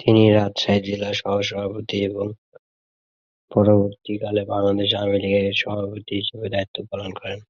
তিনি রাজশাহী জেলা সহ-সভাপতি এবং পরবর্তীকালে বাংলাদেশ আওয়ামী লীগের সভাপতি হিসাবে দায়িত্ব পালন করেন।